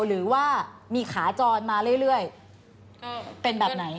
หรือว่ามีขาจรมาเรื่อยเป็นแบบไหน